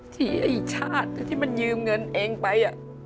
ไอ้ชาติที่มันยืมเงินเองไป